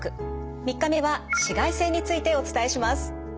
３日目は紫外線についてお伝えします。